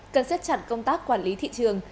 cần xét chặt công tác quản lý thị trường